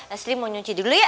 asli mau nyuci dulu ya